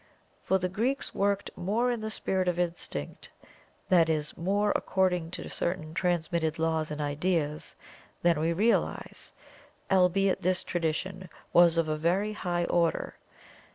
For the Greeks worked more in the spirit of Instinct; that is, more according to certain transmitted laws and ideas than we realize albeit this tradition was of a very high order.